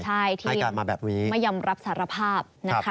ใช่ที่ไม่ยอมรับสารภาพนะคะ